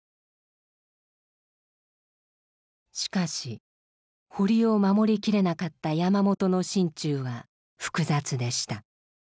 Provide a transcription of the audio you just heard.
しかし堀を守りきれなかった山本の心中は複雑でした。